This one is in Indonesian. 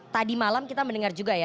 tadi malam kita mendengar juga ya